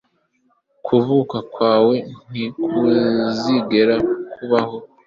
kuvuka kwawe ntikuzigera kubaho